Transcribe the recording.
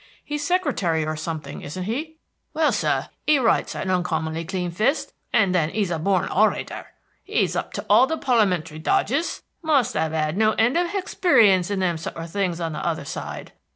He's secretary, or something, isn't he?" "Well, sir, he writes an uncommonly clean fist, and then he's a born horator. He's up to all the parli'mentary dodges. Must 'ave 'ad no end of hexperience in them sort of things on the other side."